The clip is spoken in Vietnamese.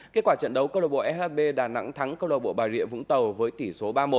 kết quả trận đấu công an shb đà nẵng thắng công an bà địa vũng tàu với tỷ số ba mươi một